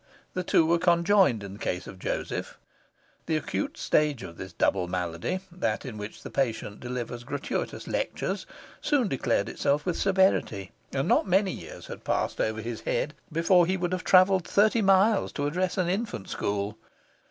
The two were conjoined in the case of Joseph; the acute stage of this double malady, that in which the patient delivers gratuitous lectures, soon declared itself with severity, and not many years had passed over his head before he would have travelled thirty miles to address an infant school.